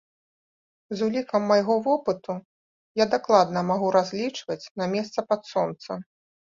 З улікам майго вопыту я дакладна магу разлічваць на месца пад сонцам!